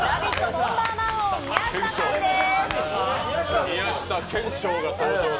ボンバーマン王宮下さんです。